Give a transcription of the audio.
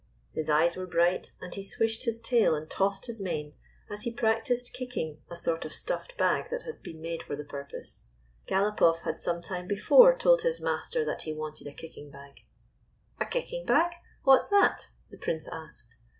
His eyes were bright, and he swished his tail and tossed his mane, as he practiced kicking a sort of stuffed bag that had been made for the purpose. Galopoff had some time before told his master that he wanted a kicking bag. "A 'kicking bag?' What's that?" the Prince asked.